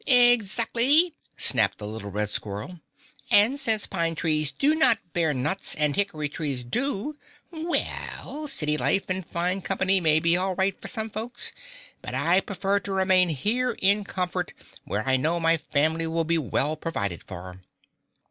"Exactly!" snapped the little red squirrel. "And since pine trees do not bear nuts and hickory trees do well, city life and fine company may be all right for some folks, but I prefer to remain here in comfort where I know my family will be well provided for."